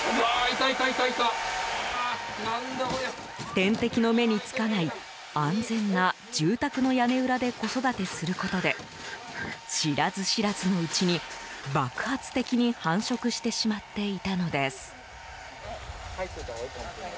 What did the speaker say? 天敵の目につかない安全な住宅の屋根裏で子育てすることで知らず知らずのうちに、爆発的に繁殖してしまっていたのです。